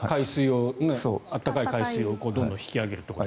暖かい海水をどんどん引き上げるからと。